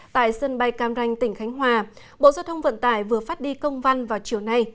tại sân bay cam ranh tỉnh khánh hòa bộ giao thông vận tải vừa phát đi công văn vào chiều nay